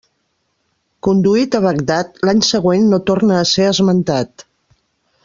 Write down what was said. Conduït a Bagdad l'any següent no torna a ser esmentat.